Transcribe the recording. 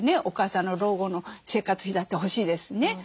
お母さんの老後の生活費だって欲しいですしね。